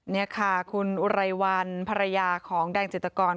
นี่ค่ะคุณอุไรวันภรรยาของแดงจิตกร